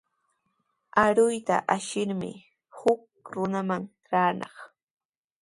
Aruyta ashirshi huk runaman traanaq.